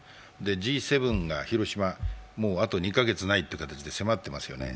Ｇ７が広島、あと２か月ないという形で、迫ってますね。